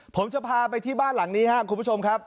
ผมจะพาไปที่บ้านหลังนี้ครับคุณผู้ชมครับ